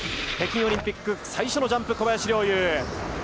北京オリンピック最初のジャンプ、小林陵侑。